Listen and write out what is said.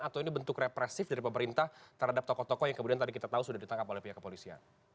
atau ini bentuk represif dari pemerintah terhadap tokoh tokoh yang kemudian tadi kita tahu sudah ditangkap oleh pihak kepolisian